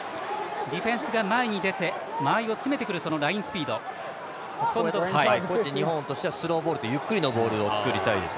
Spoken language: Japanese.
ディフェンスが前に出て間合いを詰めてくる日本としてはスローボールというゆっくりのボールを作りたいです。